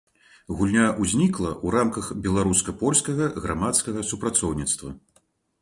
Гульня ўзнікла ў рамках беларуска-польскага грамадскага супрацоўніцтва.